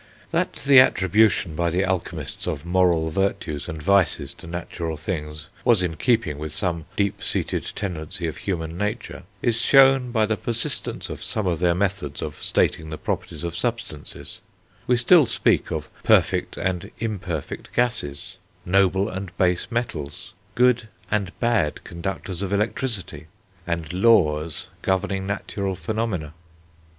That the attribution, by the alchemists, of moral virtues and vices to natural things was in keeping with some deep seated tendency of human nature, is shown by the persistence of some of their methods of stating the properties of substances: we still speak of "perfect and imperfect gases," "noble and base metals," "good and bad conductors of electricity," and "laws governing natural phenomena."